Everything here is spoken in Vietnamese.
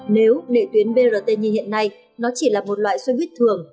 nếu nệ tuyến brt như hiện nay nó chỉ là một loại xe buýt thường